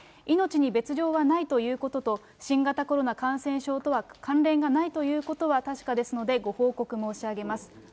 命に別状はないということと、新型コロナ感染症とは関連がないということは確かですので、ご報告申し上げます。